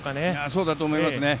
そうだと思います。